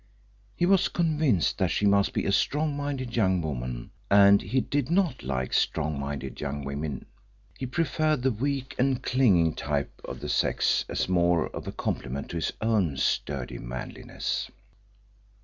He was convinced that she must be a strong minded young woman, and he did not like strong minded young women. He preferred the weak and clinging type of the sex as more of a compliment to his own sturdy manliness.